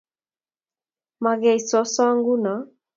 Mo kei soso nguno?